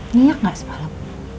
nyiak gak semalam